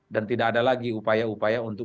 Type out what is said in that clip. dan tidak ada lagi upaya upaya untuk